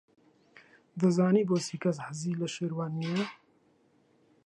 دەزانیت بۆچی کەس حەزی لە شێروان نییە؟